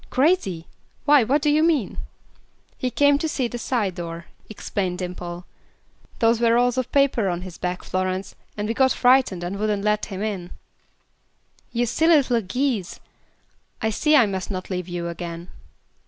"Crazy! Why, what do you mean?" "He came to the side door," explained Dimple. "Those were rolls of paper on his back, Florence, and we got frightened and wouldn't let him in." "You silly little geese! I see I must not leave you again."